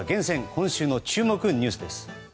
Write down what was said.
今週の注目ニュースです。